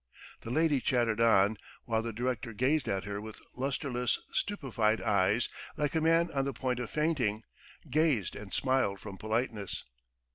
..." The lady chattered on, while the director gazed at her with lustreless, stupefied eyes like a man on the point of fainting, gazed and smiled from politeness.